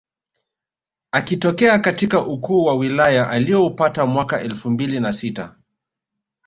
Akitokea katika ukuu wa wilaya alioupata mwaka elfu mbili na sita